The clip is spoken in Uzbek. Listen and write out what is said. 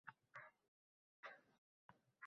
Ketib borar iffat-hayo, mehru shafqat